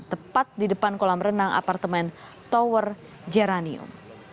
tepat di depan kolam renang apartemen tower jeranium